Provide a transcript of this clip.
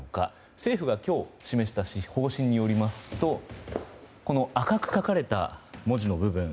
政府が今日、示した方針によりますと赤く書かれた文字の部分。